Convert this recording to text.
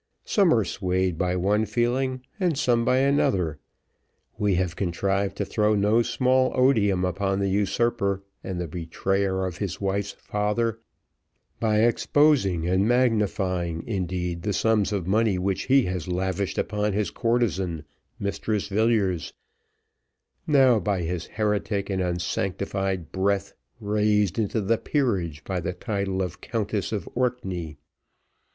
Some are swayed by one feeling, and some by another. We have contrived to throw no small odium upon the usurper and betrayer of his wife's father, by exposing and magnifying, indeed, the sums of money which he has lavished upon his courtesan, Mistress Villiers, now, by his heretic and unsanctified breath, raised into the peerage by the title of Countess of Orkney.